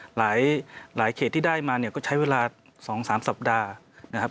หลายเขตที่ได้มาเนี่ยก็ใช้เวลา๒๓สัปดาห์นะครับ